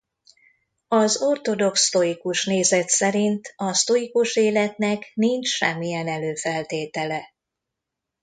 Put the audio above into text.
Az ortodox sztoikus nézet szerint a sztoikus életnek nincs semmilyen előfeltétele.